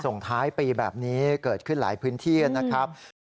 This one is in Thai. ส่งท้ายปีแบบนี้เกิดขึ้นหลายพื้นที่นะครับ